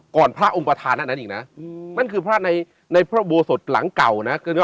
พระองค์ประธานอันนั้นอีกนะนั่นคือพระในพระอุโบสถหลังเก่านะ